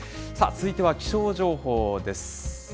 続いては、気象情報です。